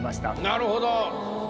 なるほど。